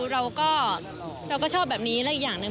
เราก็เราก็ชอบแบบนี้และอีกอย่างหนึ่ง